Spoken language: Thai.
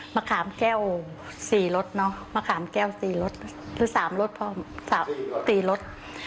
มะขามแก้วสี่รถเนาะมะขามแก้วสี่รถหรือสามรถพอสี่รถ